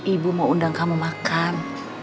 ibu mau undang kamu makan